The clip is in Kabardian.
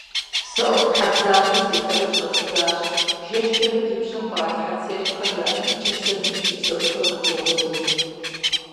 Сэ ӀуэхутхьэбзащӀэм селъэӀуу щӀэздзащ, жэщкӀэрэ ди пщэм къралъхьэ церпхэм ират ӀункӀыбзэм и ӀункӀыбзэӀухыр къидыгъуну.